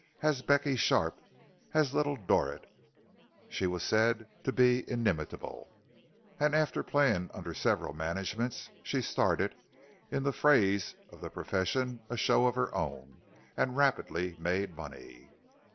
As Becky Sharp, as Little Dorrit, she was said to be inimitable, and after playing under several managements, she started, in the phrase of the profession, "a show of her own," and rapidly made money.